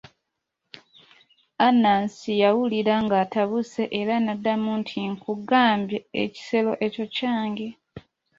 Anansi yawulira ng'atabuse, era n'addamu nti, nkugambye ekisero ekyo kyange.